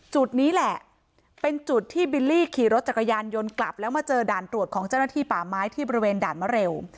จุดนี้แหละเป็นจุดที่บิลลี่ขี่รถจักรยานยนต์กลับแล้วมาเจอด่านตรวจของเจ้าหน้าที่ป่าไม้ที่บริเวณด่านมะเร็ว